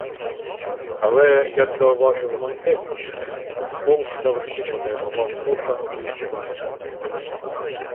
Але, як зауважив Монкевич, «полк завжди потребував ока вищого начальства».